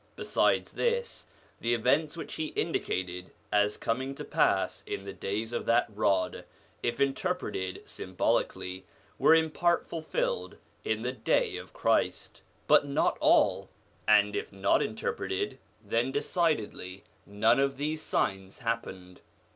Besides this, the events which he indicated as coming to pass in the days of that rod, if interpreted symbolically, were in part fulfilled in the day of Christ, but not all ; and if not interpreted, then decidedly none of these signs happened.